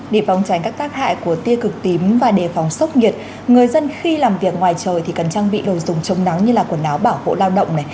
để phòng tránh các tác hại của tia cực tím và đề phòng sốc nhiệt người dân khi làm việc ngoài trời thì cần trang bị đồ dùng chống nắng như là quần áo bảo hộ lao động này